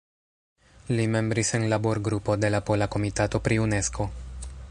Li membris en Labor-Grupo de la Pola Komitato pri Unesko.